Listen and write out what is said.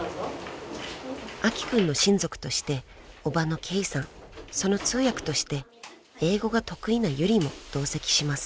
［明希君の親族として叔母のケイさんその通訳として英語が得意なユリも同席します］